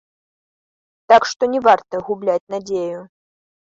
Так што не варта губляць надзею.